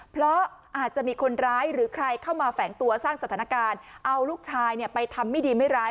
เพราะอาจจะมีคนร้ายหรือใครเข้ามาแฝงตัวสร้างสถานการณ์เอาลูกชายไปทำไม่ดีไม่ร้าย